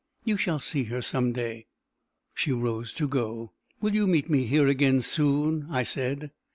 You shall see her some day." She rose to go. "Will you meet me here again soon?" I said.